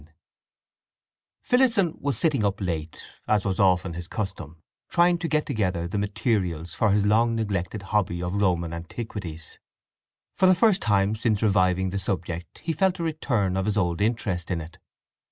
IV Phillotson was sitting up late, as was often his custom, trying to get together the materials for his long neglected hobby of Roman antiquities. For the first time since reviving the subject he felt a return of his old interest in it.